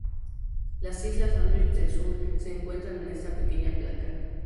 Las Islas Sandwich del Sur se encuentran en esta pequeña placa.